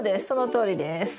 そのとおりです。